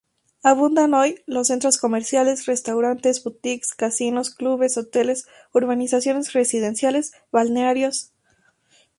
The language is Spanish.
Abundan hoy los centros comerciales, restaurantes, boutiques, casinos, clubes, hoteles, urbanizaciones residenciales, balnearios.